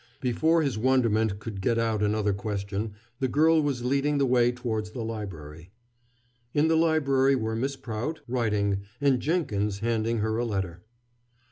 Before his wonderment could get out another question, the girl was leading the way towards the library. In the library were Miss Prout, writing, and Jenkins handing her a letter.